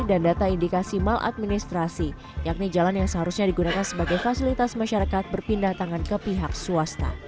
dan data indikasi maladministrasi yakni jalan yang seharusnya digunakan sebagai fasilitas masyarakat berpindah tangan ke pihak swasta